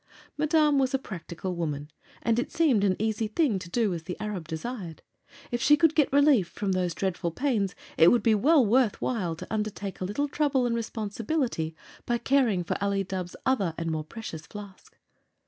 Madame was a practical woman, and it seemed an easy thing to do as the Arab desired. If she could get relief from those dreadful pains it would be well worth while to undertake a little trouble and responsibility by caring for Ali Dubh's other and more precious flask.